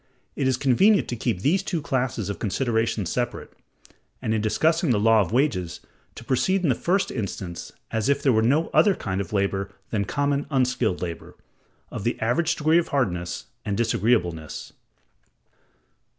It is convenient to keep these two classes of considerations separate; and in discussing the law of wages, to proceed in the first instance as if there were no other kind of labor than common unskilled labor, of the average degree of hardness and disagreeableness.